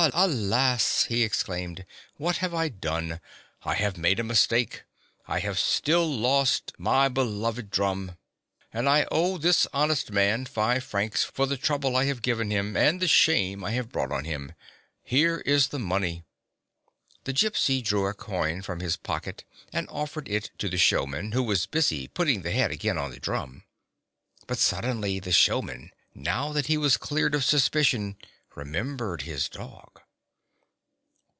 "Alas!" he exclaimed, " what have I done? I have made a mistake ; I have still lost my be 2— Gypsy. GYPSY, THE TALKING DOG loved drum, and I owe this honest man five francs for the trouble I have given him, and the shame I have brought on him. Here is the money." The Gypsy drew a coin from his pocket and offered it to the showman, who was busy putting the heads again on the drum. But suddenly the showman, now that he was cleared of suspicion, remembered his dog.